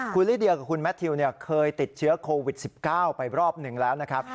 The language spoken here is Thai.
คุณลิเดียกับคุณแมททิวเคยติดเชื้อโควิด๑๙ไปรอบหนึ่งแล้วนะครับ